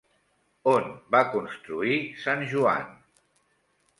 On va construir Sant Joan?